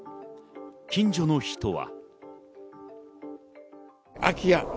近所の人は。